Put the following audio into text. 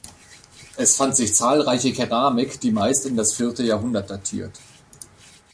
Es fand sich zahlreiche Keramik, die meist in das vierte Jahrhundert datiert.